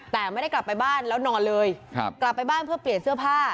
แต่ไม่ได้กลับไปบ้านแล้วนอนเลยกลับไปบ้านเพื่อเปลี่ยนเสื้อผ้า